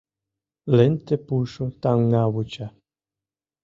Ленте пуышо таҥна вуча.